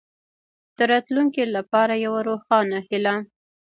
د راتلونکې لپاره یوه روښانه هیله.